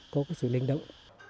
có cái sự linh động